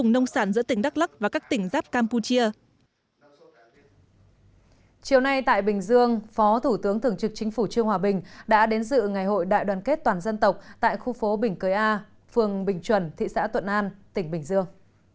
tổng bí thư chủ tướng thường trực chính phủ trương hòa bình đã đến dự ngày hội đại đoàn kết toàn dân tộc tại khu phố bình cối a phường bình chuẩn thị xã tuận an tỉnh bình dương